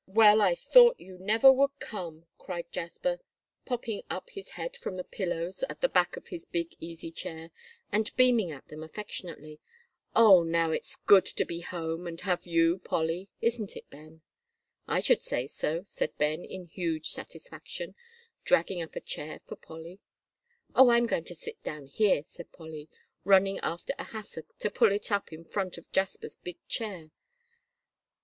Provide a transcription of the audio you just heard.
"Well, I thought you never would come," cried Jasper, popping up his head from the pillows at the back of the big easy chair, and beaming at them affectionately. "Oh, now it's good to be home, and have you, Polly. Isn't it, Ben?" "I should say so," said Ben, in huge satisfaction, dragging up a chair for Polly. "Oh, I'm going to sit down here," said Polly, running after a hassock, to pull it up in front of Jasper's big chair.